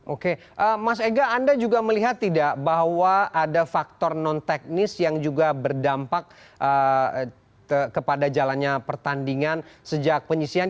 oke mas ega anda juga melihat tidak bahwa ada faktor non teknis yang juga berdampak kepada jalannya pertandingan sejak penyisian